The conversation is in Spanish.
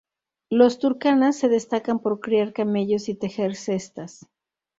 Los turkana se destacan por criar camellos y tejer cestas.